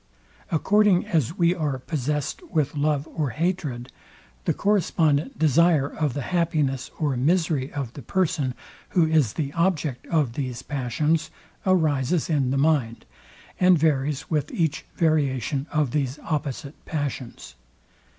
According as we are possessed with love or hatred, the correspondent desire of the happiness or misery of the person, who is the object of these passions, arises in the mind, and varies with each variation of these opposite passions.